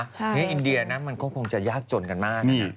นี่อินเดียนะมันก็คงจะยากจนกันมาก